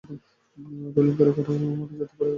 রেলিংঘেরা খাটা আমরা যাতে গড়িয়ে পড়ে যেতে না পারি।